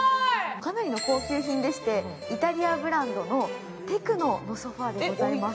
かなりの高級品でしてイタリアブランドのテクノのソファーでございます。